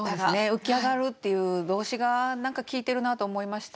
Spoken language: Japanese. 「浮き上がる」っていう動詞が何か効いてるなと思いました。